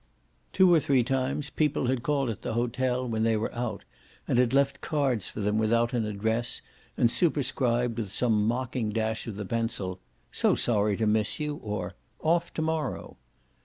Two or three times people had called at the hotel when they were out and had left cards for them without an address and superscribed with some mocking dash of the pencil "So sorry to miss you!" or "Off to morrow!"